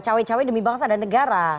cewek cewek demi bangsa dan negara